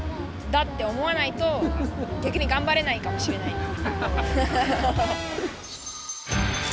って思わないと逆に頑張れないかもしれないです。